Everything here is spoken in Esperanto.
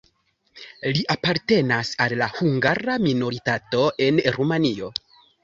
Li apartenas al la hungara minoritato en Rumanio.